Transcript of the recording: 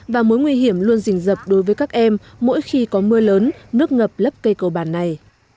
và mối nguy hiểm luôn dình dập đối với các em mỗi khi có mưa lớn nước ngập lấp cây cầu bàn này